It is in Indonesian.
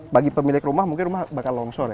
bagi pemilik rumah mungkin rumah bakal longsor ya